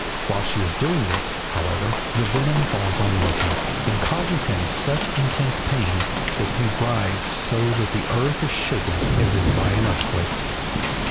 While she is doing this, however, the venom falls on Loki, and causes him such intense pain that he writhes so that the earth is shaken as if by an earthquake.